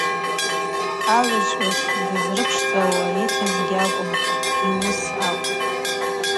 Агӏвычӏвгӏвыс дызрыпшдзауа йыхьыз гьакӏвым — йуыс акӏвпӏ.